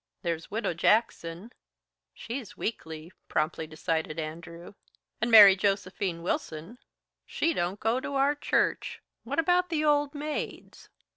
There's Widow Jackson " "She's weakly," promptly decided Andrew. "And Mary Josephine Wilson " "She don't go to our church. What about the old maids?"